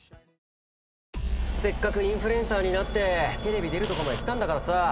せっかくインフルエンサーになってテレビ出るとこまできたんだからさ。